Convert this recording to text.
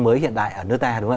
mới hiện đại ở nước ta